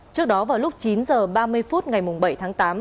trước đó vào lúc chín h ba mươi phút ngày bảy tháng tám